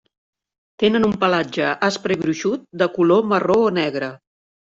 Tenen un pelatge aspre i gruixut de color marró o negre.